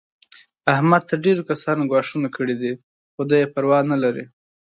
احمد ته ډېرو کسانو ګواښونه کړي دي. خو دی یې پروا نه لري.